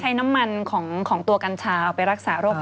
ใช้น้ำมันของกัญชาพอไปรักษา